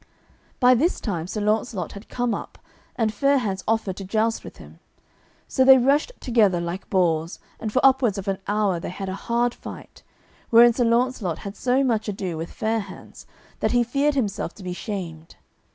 By this time Sir Launcelot had come up, and Fair hands offered to joust with him. So they rushed together like boars, and for upwards of an hour they had a hard fight, wherein Sir Launcelot had so much ado with Fair hands that he feared himself to be shamed.